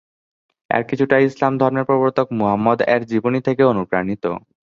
এর কিছুটা ইসলাম ধর্মের প্রবর্তক মুহাম্মাদ এর জীবনী থেকে অনুপ্রাণিত।